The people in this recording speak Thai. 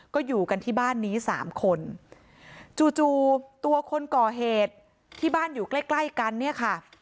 ก็อยู่กันที่บ้านนี้สามคนจู่จู่ตัวคนก่อเหตุที่บ้านอยู่ใกล้ใกล้กันเนี่ยค่ะ